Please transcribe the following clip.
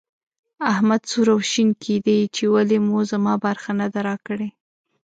احمد سور او شين کېدی چې ولې مو زما برخه نه ده راکړې.